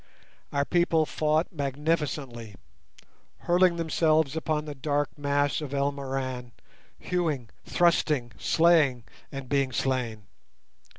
Our people fought magnificently, hurling themselves upon the dark mass of Elmoran, hewing, thrusting, slaying, and being slain.